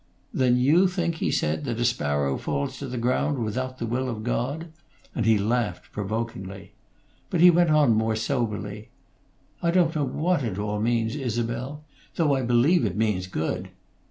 "Then you think," he said, "that a sparrow falls to the ground without the will of God?" and he laughed provokingly. But he went on more soberly: "I don't know what it all means Isabel though I believe it means good.